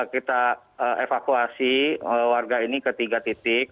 kita evakuasi warga ini ke tiga titik